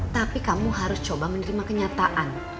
tapi kamu harus coba menerima kenyataan